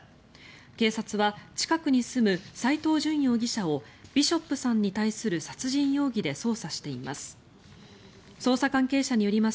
警察は近くに住む斎藤淳容疑者をビショップさんに対する殺人容疑で捜査しています。